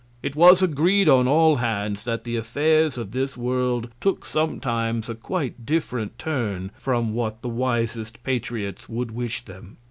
It was agreed, on all Hands, that the Affairs of this World took sometimes a quite different Turn from what the wisest Patriots would wish them.